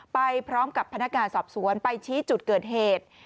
ไปพร้อมกับพนักงานสอบสวนไปชี้จุดเกิดเหตุ